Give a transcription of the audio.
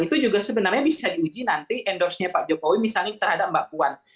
itu juga sebenarnya bisa diuji nanti endorse nya pak jokowi misalnya terhadap mbak puan